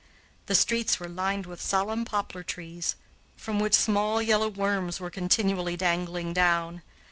The streets were lined with solemn poplar trees, from which small yellow worms were continually dangling down.